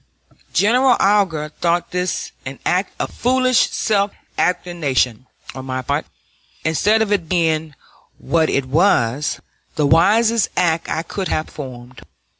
General Alger thought this an act of foolish self abnegation on my part instead of its being, what it was, the wisest act I could have performed.